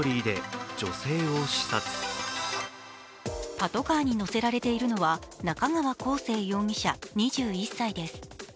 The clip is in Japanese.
パトカーに乗せられているのは中川晃成容疑者２１歳です。